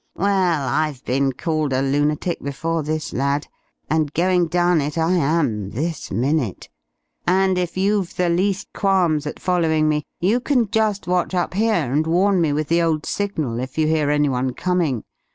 "Well, I've been called a lunatic before this, lad. And going down it I am, this minute. And if you've the least qualms at following me, you can just watch up here and warn me with the old signal if you hear any one coming.